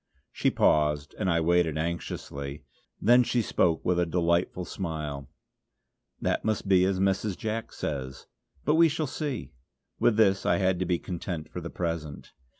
She paused, and I waited anxiously. Then she spoke with a delightful smile: "That must be as Mrs. Jack says. But we shall see!" With this I had to be content for the present.